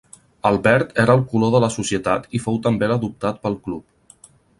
El verd era el color de la societat i fou també l'adoptat pel club.